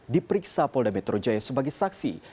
diperiksa polda metro jaya sebagai saksi